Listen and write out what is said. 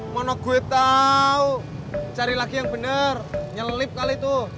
mana gue tau cari lagi yang bener nyelip kali itu